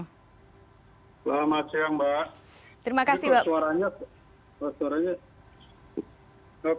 selamat siang mbak